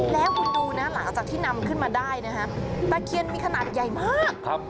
แล้วคุณดูนะหลังจากที่นำขึ้นมาได้นะฮะตะเคียนมีขนาดใหญ่มากครับ